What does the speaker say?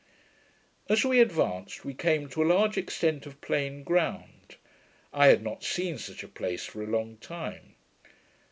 As we advanced, we came to a large extent of plain ground. I had not seen such a place for a long time.